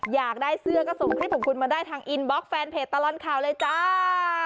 อยากได้เสื้อก็ส่งคลิปของคุณมาได้ทางอินบล็อกแฟนเพจตลอดข่าวเลยจ้า